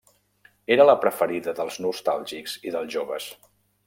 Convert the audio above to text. Era la preferida dels nostàlgics i dels joves.